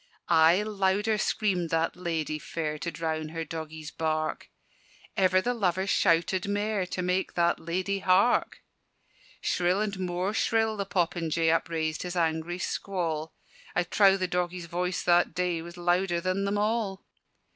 Aye louder screamed that ladye fair To drown her doggie's bark: Ever the lover shouted mair To make that ladye hark: Shrill and more shrill the popinjay Upraised his angry squall: I trow the doggie's voice that day Was louder than them all!